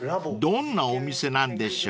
［どんなお店なんでしょう］